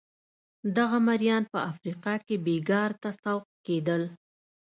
دغه مریان په افریقا کې بېګار ته سوق کېدل.